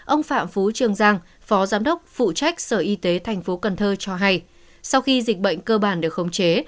ông phạm phú trường giang phó giám đốc phụ trách sở y tế tp cần thơ cho hay sau khi dịch bệnh cơ bản được khống chế